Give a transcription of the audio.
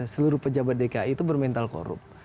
seluruh pejabat dki itu bermental korup